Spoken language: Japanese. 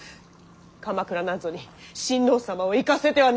鎌倉なんぞに親王様を行かせてはなりません！